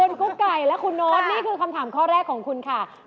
เอาล่ะคุณกุ๊กไก่และคุณโน้ตนี่คือคำถามข้อแรกของคุณค่ะคุณเป็นคนเดียว